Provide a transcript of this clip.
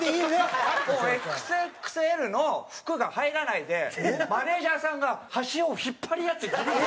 もうＸＸＬの服が入らないでマネジャーさんが端を引っ張り合ってギリギリ入る。